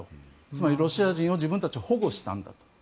つまりロシア人を自分たちは保護したんだと。